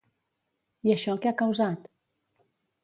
I això què ha causat?